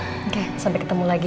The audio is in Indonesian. oke sampai ketemu lagi